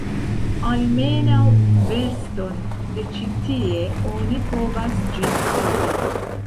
Almenaŭ verston de ĉi tie oni povas ĝin aŭdi!